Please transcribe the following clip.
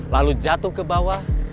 lalu jatuh ke bawah